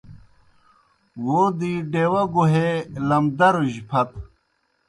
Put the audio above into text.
وو دی ڈیوا گُہے لمدروْجیْ پھت۔